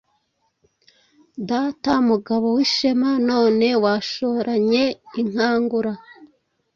Data Mugabo w'ishema None washoranye inkangura